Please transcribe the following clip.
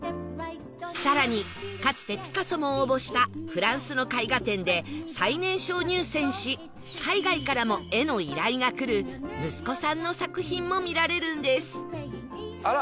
さらにかつてピカソも応募したフランスの絵画展で最年少入選し海外からも絵の依頼が来る息子さんの作品も見られるんです